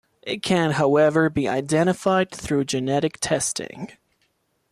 It can, however, be identified through genetic testing.